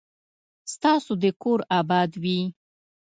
ستاسو دي کور اباد وي